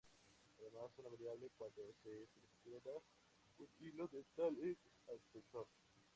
Además, una variable cuando se selecciona un hilo dental es el espesor.